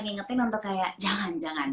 ngingetin untuk kayak jangan jangan